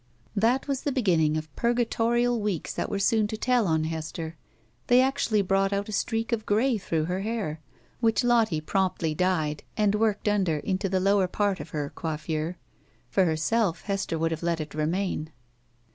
That was the beginning of purgatorial weeks that were soon to tell on Hester. They actually brought out a streak of gray through her hair, which Lottie promptly dyed and worked imder into the lower part of her coiffure. For herself, Hester would have let it remain.